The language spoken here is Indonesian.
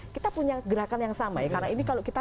kita punya gerakan yang sama ya karena ini kalau kita